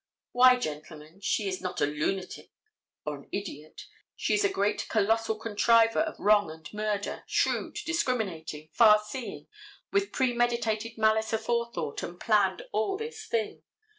Why gentlemen, she is not a lunatic or an idiot. She is a great colossal contriver of wrong and murder, shrewd, discriminating, far seeing, with premeditated malice aforethought, and planned all this thing.